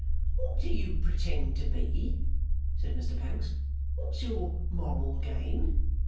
'What do you pretend to be?' said Mr Pancks. 'What's your moral game?